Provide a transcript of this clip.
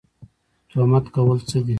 تهمت کول څه دي؟